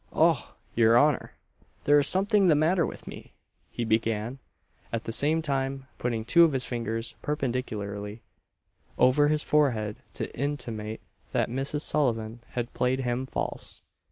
"Och! your honour, there is something the matter with me!" he began; at the same time putting two of his fingers perpendicularly over his forehead to intimate that Mrs. Sullivan had played him false.